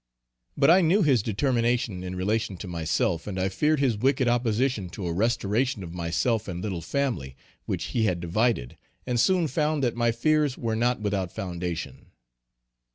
But I knew his determination in relation to myself, and I feared his wicked opposition to a restoration of myself and little family, which he had divided, and soon found that my fears were not without foundation.